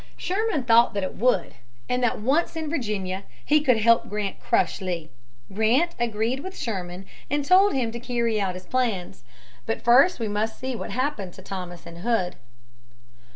Sherman thought that it would, and that once in Virginia he could help Grant crush Lee. Grant agreed with Sherman and told him to carry out his plans. But first we must see what happened to Thomas and Hood.